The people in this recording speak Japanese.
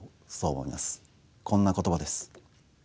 こんな言葉です。